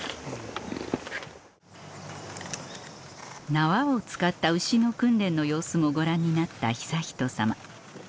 縄を使った牛の訓練の様子もご覧になった悠仁さま